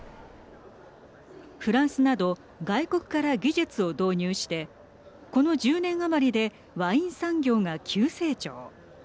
フランスなど外国から技術を導入してこの１０年余りでワイン産業が急成長。